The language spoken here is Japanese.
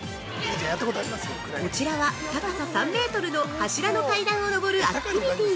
こちらは、高さ３メートルの柱の階段を登るアクティビティー。